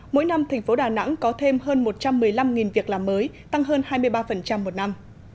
mỗi năm thành phố đà nẵng có thêm hơn một trăm một mươi năm việc làm mới tăng hơn hai mươi ba một năm